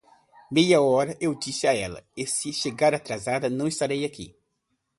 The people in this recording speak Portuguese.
Meia hora, eu disse a ela, e se chegar atrasada não estarei aqui.